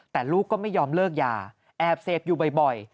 แต่ลูกก็ไม่ยอมเลิกยาแอบเสพอยู่บ่อย